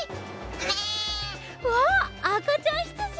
あかちゃんひつじ！